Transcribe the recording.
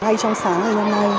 ngay trong sáng hôm nay